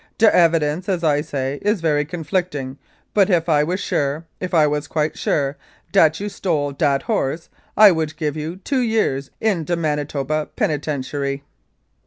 De evidence, as I say, is very conflicting, but if I was sure, if I was quite sure, dat you stole dat horse I would give you two years in de Manitoba Penitentiary.